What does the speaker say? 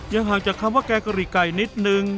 ห่างจากคำว่าแกงกะหรี่ไก่นิดนึง